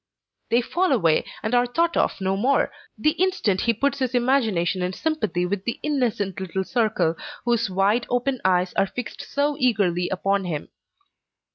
They fall away, and are thought of no more, the instant he puts his imagination in sympathy with the innocent little circle, whose wide open eyes are fixed so eagerly upon him.